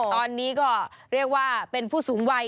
ตอนนี้ก็เรียกว่าเป็นผู้สูงวัย